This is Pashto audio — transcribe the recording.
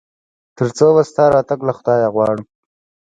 تر څو به ستا راتګ له خدايه غواړو ؟